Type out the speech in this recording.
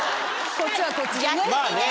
こっちはこっちでね。